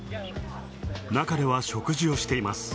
中では食事をしています。